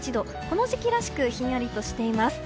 この時期らしくひんやりとしています。